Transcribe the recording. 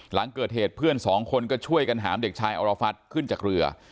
หลังเกิดเหตุเพื่อนสองคนก็ช่วยกันหามเด็กชายอรฟัฐขึ้นจากเรือ